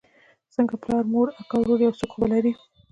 څنگه پلار مور اکا ورور يو څوک خو به لرې.